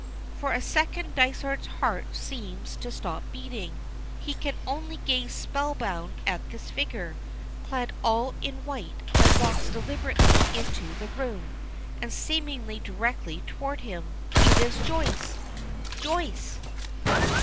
For a second Dysart's heart seems to stop beating. He can only gaze spellbound at this figure, clad all in white, that walks deliberately into the room, and seemingly directly toward him. It is Joyce! Joyce!